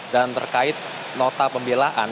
dan terkait nota pembelaan